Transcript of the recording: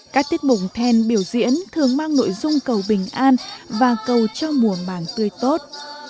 các tiết mục then biểu diễn thường mang nội dung cầu bình an và cầu cho mùa màng tươi tốt